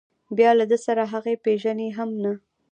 بیا له ده سره هغه پېژني هم نه.